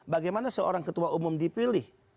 bagaimana seorang ketua umum dipilih